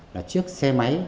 là chiếc xe máy